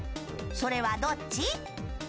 それはどっち？